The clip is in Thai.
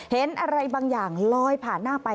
เห็นอะไรบางอย่างลอยผ่านหน้าไป